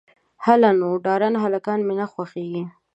_هله نو، ډارن هلکان مې نه خوښېږي.